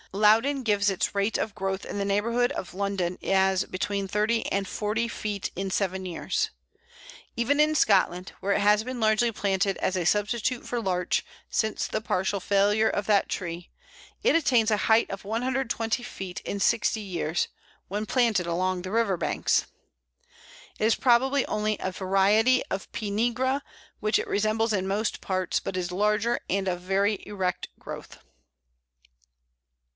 Loudon gives its rate of growth in the neighbourhood of London as between thirty and forty feet in seven years! Even in Scotland (where it has been largely planted as a substitute for Larch, since the partial failure of that tree) it attains a height of 120 feet in sixty years, when planted along the river banks. It is probably only a variety of P. nigra, which it resembles in most points, but is larger, and of very erect growth.